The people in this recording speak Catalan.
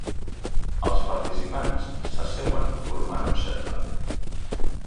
Els participants s'asseuen formant un cercle.